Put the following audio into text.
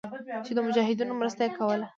چې د مجاهدينو مرسته ئې کوله.